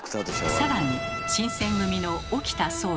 更に新選組の沖田総司。